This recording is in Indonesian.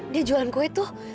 dia jualan kue tuh